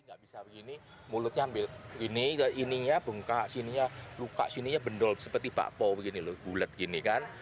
jadi gak bisa begini mulutnya ambil ini ini ya bengkak sininya luka sininya bendol seperti bapau begini loh bulet gini kan